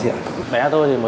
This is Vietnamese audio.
kiểm tra cho chị nhé